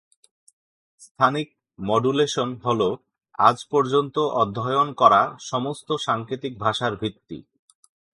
স্থানিক modulation হল আজ পর্যন্ত অধ্যয়ন করা সমস্ত সাংকেতিক ভাষার ভিত্তি।